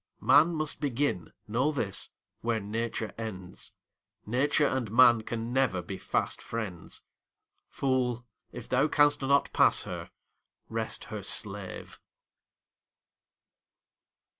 Man must begin, know this, where Nature ends; Nature and man can never be fast friends. Fool, if thou canst not pass her, rest her slave!